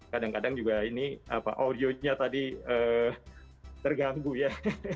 kadang kadang juga ini audionya tadi terganggu ya